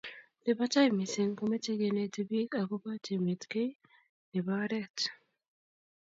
nebo tai missing, komeche keneti biik agoba chemetgei nebo oret